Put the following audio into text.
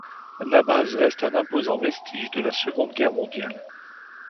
La base reste un imposant vestige de la Seconde Guerre mondiale.